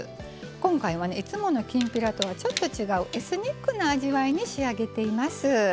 今回はいつものきんぴらとはちょっと違うエスニックな味わいに仕上げています。